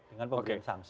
dengan pemerintah saksi